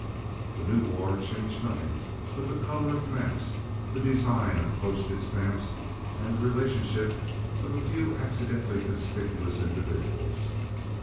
The new war changed nothing but the color of maps, the design of postage stamps, and the relationship of a few accidentally conspicuous individuals.